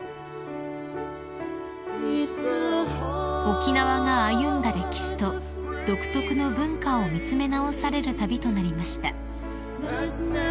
［沖縄が歩んだ歴史と独特の文化を見詰め直される旅となりました］